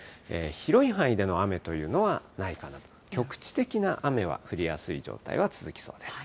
広い範囲での雨というのはないかなと、局地的な雨は降りやすい状態は続きそうです。